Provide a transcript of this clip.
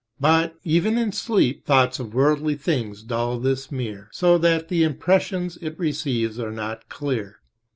But, even in sleep, thoughts of worldly things dull this mirror, so, that the impressions it receives are not clear.